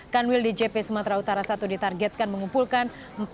kanwil djp sumatera utara i ditargetkan mengumpulkan